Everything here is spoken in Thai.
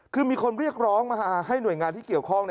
คือมีคนเรียกร้องมาให้หน่วยงานที่เกี่ยวข้อง